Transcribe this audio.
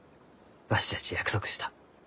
わしじゃち約束した。